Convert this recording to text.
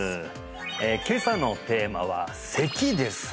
今朝のテーマは「咳」です